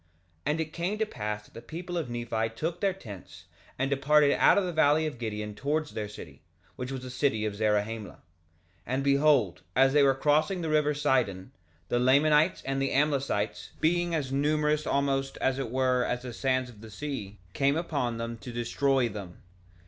2:26 And it came to pass that the people of Nephi took their tents, and departed out of the valley of Gideon towards their city, which was the city of Zarahemla. 2:27 And behold, as they were crossing the river Sidon, the Lamanites and the Amlicites, being as numerous almost, as it were, as the sands of the sea, came upon them to destroy them.